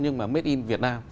nhưng mà made in vietnam